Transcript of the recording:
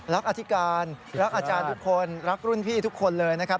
อธิการรักอาจารย์ทุกคนรักรุ่นพี่ทุกคนเลยนะครับ